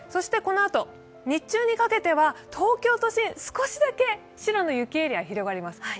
このあと、日中にかけては東京都心少しだけ白の雪エリアが広がります。